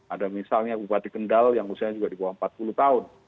ada misalnya bupati kendal yang usianya juga di bawah empat puluh tahun